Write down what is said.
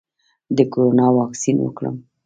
د کرونا واکسین وکړم؟